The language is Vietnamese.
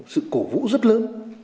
sự cổ vũ rất lớn